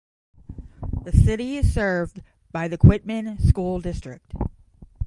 The city is served by the Quitman School District.